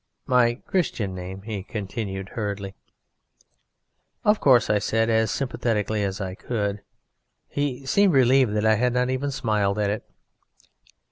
"My Christian name," he continued hurriedly. "Of course," said I, as sympathetically as I could. He seemed relieved that I had not even smiled at it.